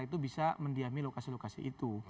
itu bisa mendiami lokasi lokasi itu